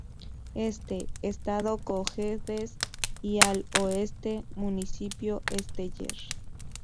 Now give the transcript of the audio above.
Este:estado Cojedes y al Oeste: Municipio Esteller.